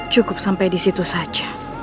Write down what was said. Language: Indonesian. cukup sampai di situ saja